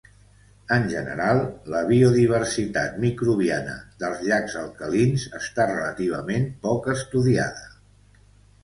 En general, la biodiversitat microbiana dels llacs alcalins està relativament poc estudiada.